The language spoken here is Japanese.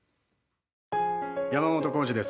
山本耕史です。